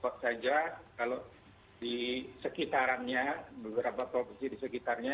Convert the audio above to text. saja kalau di sekitarannya beberapa provinsi di sekitarnya